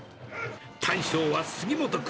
大将は杉本君。